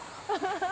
ハハハ。